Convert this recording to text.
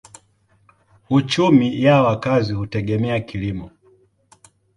Uchumi ya wakazi hutegemea kilimo.